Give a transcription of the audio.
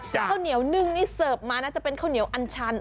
ข้าวเหนียวนึ่งนี่เสิร์ฟมาน่าจะเป็นข้าวเหนียวอันชัน